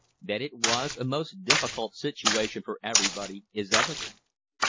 That it was a most difficult situation for everybody is evident.